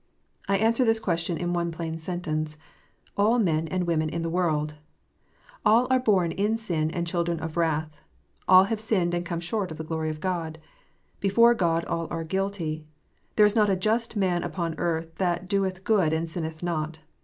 I answer this question in one plain sentence. All men and women in the world ! All are born in sin and children of wrath. All have sinned and come short of the glory of God. Before God all are guilty. There is not a just man upon earth that doeth good and sinneth not.